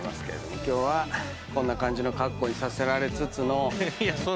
今日はこんな感じの格好にさせられつつの。